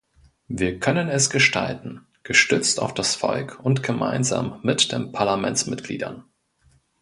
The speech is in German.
Wir können es gestalten, gestützt auf das Volk und gemeinsam mit den Parlamentsmitgliedern!